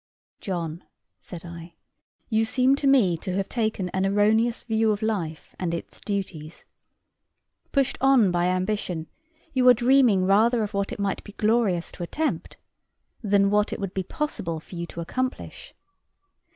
"John," said I, "you seem to me to have taken an erroneous view of life and its duties. Pushed on by ambition, you are dreaming rather of what it might be glorious to attempt, than what it would be possible for you to accomplish.